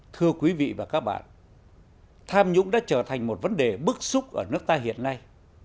thưa quý vị và các bạn tham nhũng đã trở thành một vấn đề bức xúc ở nước ta hiện nay